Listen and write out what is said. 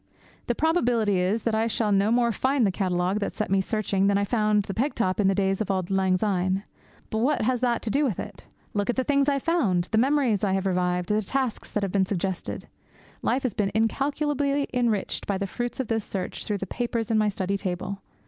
The probability is that I shall no more find the catalogue that set me searching than I found the peg top in the days of auld lang syne; but what has that to do with it? Look at the things I have found, the memories I have revived, the tasks that have been suggested! Life has been incalculably enriched by the fruits of this search through the papers on my study table.